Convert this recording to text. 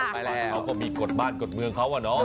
เขาก็มีกฎบ้านกฎเมืองเขาอ่ะเนอะ